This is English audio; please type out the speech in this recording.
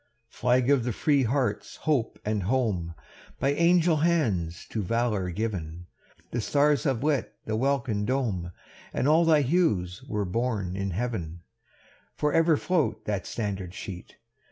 V. Flag of the free heart's hope and home! By angel hands to valour given; The stars have lit the welkin dome, And all thy hues were born in heaven. For ever float that standard sheet!